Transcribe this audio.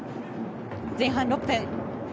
前半６分。